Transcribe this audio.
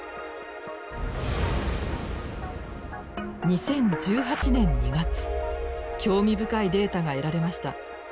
２０１８年２月興味深いデータが得られました。